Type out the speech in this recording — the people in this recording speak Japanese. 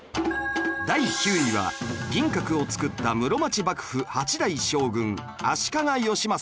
第９位は銀閣を造った室町幕府８代将軍足利義政